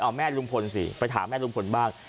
เอาแม่ลุงพลสิไปถามแม่ลุงพลบ้าง